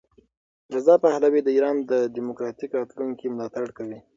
رضا پهلوي د ایران د دیموکراتیک راتلونکي ملاتړ کوي.